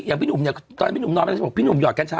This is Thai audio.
อย่างพี่หนุ่มเนี้ยตอนนั้นพี่หนุ่มนอนไปพี่หนุ่มหยอดกัญชา